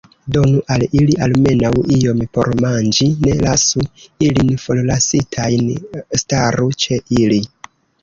Donu al ili almenaŭ iom por manĝi; ne lasu ilin forlasitajn; staru ĉe ili!